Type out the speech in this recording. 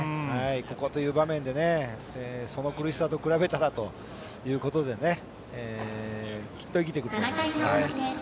ここぞという場面でその苦しさと比べたらときっと生きていくると思いますね。